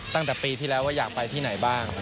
ตั้งแต่ปีที่แล้วว่าอยากไปที่ไหนบ้าง